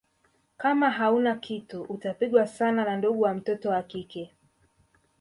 Kama hauna kitu utapigwa sana na ndugu wa mtoto wa kike